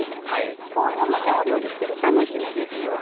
こういうのも、お料理してる楽しみですよね。